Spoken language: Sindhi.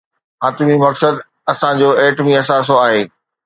حتمي مقصد اسان جو ايٽمي اثاثو آهي.